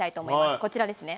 こちらですね。